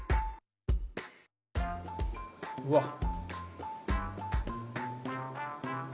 うわっ。